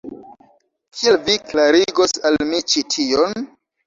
Kiel vi klarigos al mi ĉi tion?